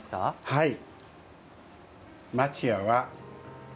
はい。